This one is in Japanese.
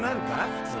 普通。